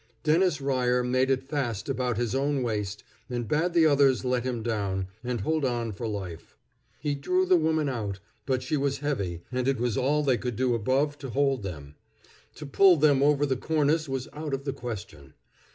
Dennis Ryer made it fast about his own waist, and bade the others let him down, and hold on for life. He drew the woman out, but she was heavy, and it was all they could do above to hold them. To pull them over the cornice was out of the question.